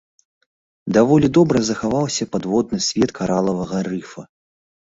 Даволі добра захаваўся падводны свет каралавага рыфа.